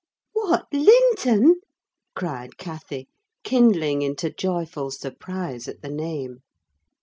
"What, Linton!" cried Cathy, kindling into joyful surprise at the name.